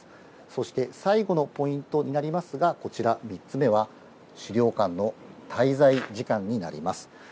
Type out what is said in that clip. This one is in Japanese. そして最後のポイントになりますが、こちら３つ目は資料館の滞在時間になります。